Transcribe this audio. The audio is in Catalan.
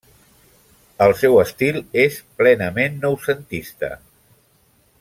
El seu estil és plenament noucentista.